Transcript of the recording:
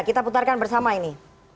kita putarkan bersama ini